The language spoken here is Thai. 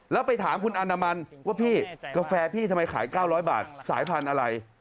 แล้วไปถามคุณอนามันว่าพี่กาแฟพี่ทำไมขาย๙๐๐บาทสายพันธุ์อะไร